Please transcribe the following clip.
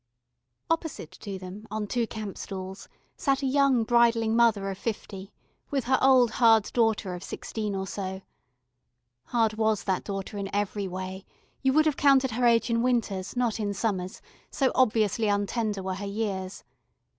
Opposite to them, on two campstools, sat a young bridling mother of fifty, with her old hard daughter of sixteen or so. Hard was that daughter in every way; you would have counted her age in winters, not in summers, so obviously untender were her years.